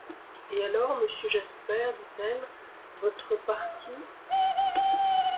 Et alors, monsieur Jasper, dit-elle, votre parti ?...